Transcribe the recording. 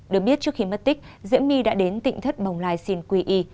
được biết trước khi mất tích diễm my đã đến tịnh thất bồng lai xin quý y